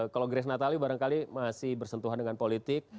kalau grace natali barangkali masih bersentuhan dengan politik